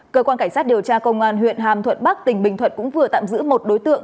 cơ quan cảnh sát điều tra công an huyện hàm thuận bắc tỉnh bình thuận cũng vừa tạm giữ một đối tượng